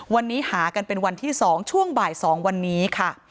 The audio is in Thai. วันนี้หากันเป็นวันที่๒ช่วงบ่าย๒วันนี้ค่ะ